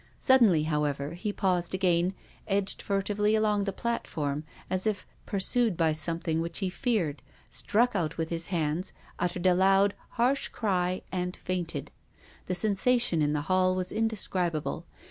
Sud denly, however, he paused again, edged furtively along the platform, as if pursued by something which he feared, struck out with his hands, uttered a loud, harsh cry and fainted. The sensation in the hall was indescribable.